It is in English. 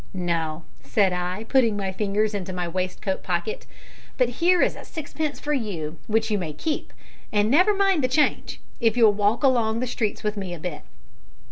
"No," said I, putting my fingers into my waistcoat pocket; "but here is a sixpence for you, which you may keep, and never mind the change, if you'll walk along the streets with me a bit."